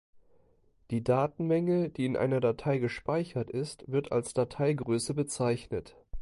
Die Datenmenge, die in einer Datei gespeichert ist, wird als Dateigröße bezeichnet.